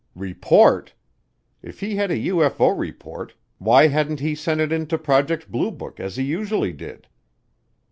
Report! If he had a UFO report why hadn't he sent it in to Project Blue Book as he usually did?